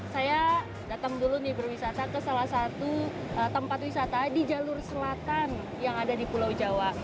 saya datang dulu nih berwisata ke salah satu tempat wisata di jalur selatan yang ada di pulau jawa